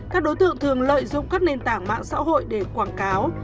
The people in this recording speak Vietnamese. các đối tượng thường lợi dụng các nền tảng mạng xã hội để quảng cáo